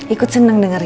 ikut seneng dengan kamu